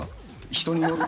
人による？